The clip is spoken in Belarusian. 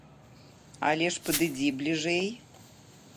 Але ж падыдзі бліжэй!